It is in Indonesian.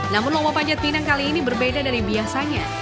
namun lomba panjat pinang kali ini berbeda dari biasanya